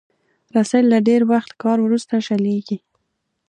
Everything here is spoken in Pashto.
رسۍ له ډېر وخت کار وروسته شلېږي.